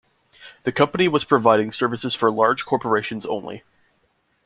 The company was providing services for large corporations only.